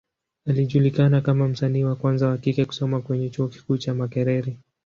Alijulikana kama msanii wa kwanza wa kike kusoma kwenye Chuo kikuu cha Makerere.